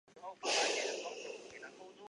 属茫部路。